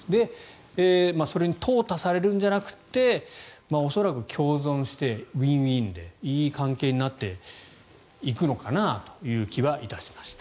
で、それにとう汰されるんじゃなくて恐らく共存して、ウィンウィンでいい関係になっていくのかなという気は致しました。